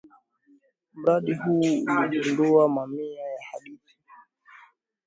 Mradi huu uligundua mamia ya hadithi.